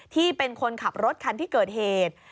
ที่เป็นคนขับรถคันที่เกิดเหตุ